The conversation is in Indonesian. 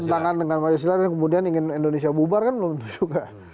bertentangan dengan pancasila dan kemudian ingin indonesia bubar kan belum juga